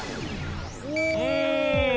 うん！